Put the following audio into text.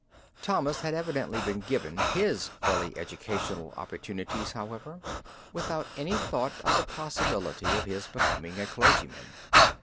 Thomas had evidently been given his early educational opportunities, however, without any thought of the possibility of his becoming a clergyman.